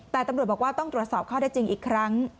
แต่ตำรวจบอกว่าต้องตรวจสอบข้อได้จริงอีกครั้ง